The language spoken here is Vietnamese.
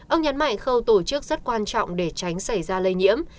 ông nhắn mại khâu tổ chức rất quan trọng để tránh xảy ra lây nhiễm